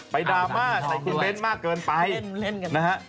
ไปดราม่าใส่คุณเบ้นท์มากเกินไปนะฮะเล่น